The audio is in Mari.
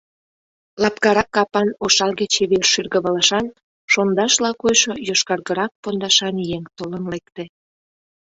Лапкарак капан ошалге-чевер шӱргывылышан, шондашла койшо йошкаргырак пондашан еҥ толын лекте.